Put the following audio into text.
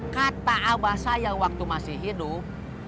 kata abah saya waktu masih hidup